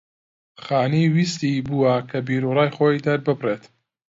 خانی ویستی بووە کە بیرو ڕای خۆی دەرببڕێت